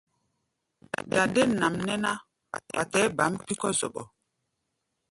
Dadên nʼam nɛ́ ná ká wa tɛɛ́ baʼm pí̧ zɔɓɔ.